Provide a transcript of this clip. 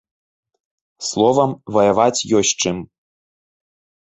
Словам, ваяваць ёсць чым.